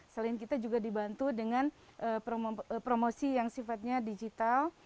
selain kita juga dibantu dengan promosi yang sifatnya digital